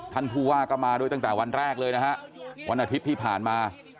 ท่านผู้ว่าก็มาด้วยตั้งแต่วันแรกเลยนะฮะวันอาทิตย์ที่ผ่านมา